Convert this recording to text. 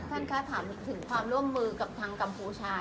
ท่านคะถามถึงความร่วมมือกับทางกัมพูชา